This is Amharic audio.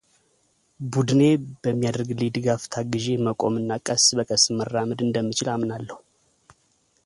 ቡድኔ በሚያደርግልኝ ድጋፍ ታግዤ መቆም እና ቀስ በቀስም መራመድ እንደምችል አምናለሁ